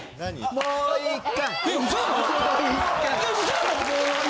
もう一回！